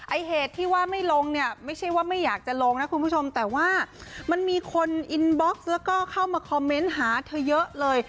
ไอ้เหตุที่ว่าไม่ลงเนี่ยไม่ใช่ว่าไม่อยากจะลงนะคุณผู้ชมแต่ว่ามันมีคนอินบ็อกซ์แล้วก็เข้ามาคอมเมนต์หาเธอเยอะเลย